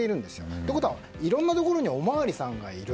ってことはいろんなところにお巡りさんがいる。